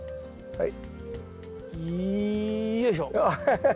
はい。